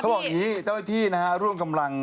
เขาบอกนี้เจ้าที่นะฮะร่วมกำลัง